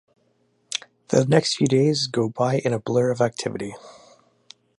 The next few days go by in a blur of activity.